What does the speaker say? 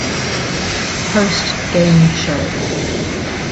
Post game show.